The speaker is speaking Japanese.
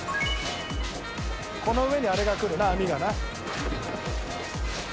この上にあれがくるな網がな。